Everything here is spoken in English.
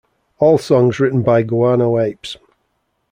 All songs written by Guano Apes.